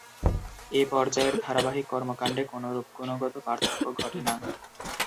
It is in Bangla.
এ পর্যায়ের ধারাবাহিক কর্মকান্ডে কোনরূপ গুণগত পার্থক্য ঘটে না।